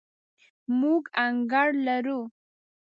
موږ انګړ لرو